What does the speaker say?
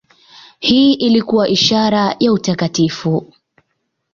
Hii ilikuwa ishara ya utakatifu.